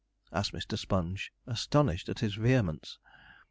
asked Mr. Sponge, astonished at his vehemence.